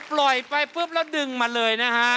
ปล่อยไปปุ๊บแล้วดึงมาเลยนะฮะ